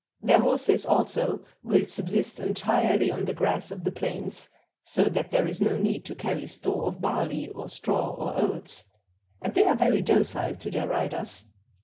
Their horses also will sub 80 THE TARTARS AND THEIR CUSTOMS sist entirely on the grass of the plains, so that there is no need to carry store of barley or straw or oats; and they are very docile to their riders.